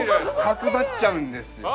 角張っちゃうんですよ。